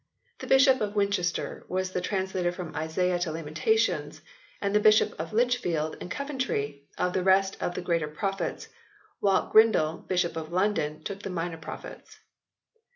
The Bishop of Winchester was the translator from Isaiah to Lamentations, and the Bishop of Lichfield and Coventry of the rest of the Greater Prophets, while Grindal, Bishop of London, took the Minor Prophets.